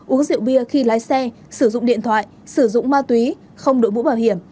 uống rượu bia khi lái xe sử dụng điện thoại sử dụng ma túy không đội mũ bảo hiểm